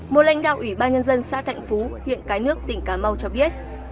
một lãnh đạo ủy ban nhân dân xã thạnh phú huyện cái nước tỉnh cà mau cho biết